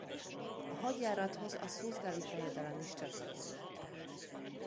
A hadjárathoz a szuzdali fejedelem is csatlakozott.